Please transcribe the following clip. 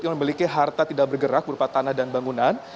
yang memiliki harta tidak bergerak berupa tanah dan bangunan